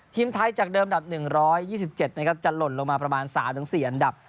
ทีมไทยจากเดิมอันดับ๑๒๗นะครับจะหล่นลงมาประมาณ๓๔อันดับ